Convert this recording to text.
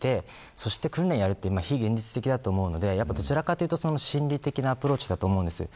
そして訓練をやるって非現実的だと思うのでどちらかというと、心理的なアプローチだと思います。